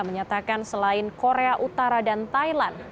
menyatakan selain korea utara dan thailand